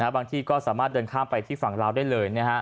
ที่ก็สามารถเดินข้ามไปที่ฝั่งลาวได้เลย